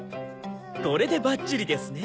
これでバッチリですね。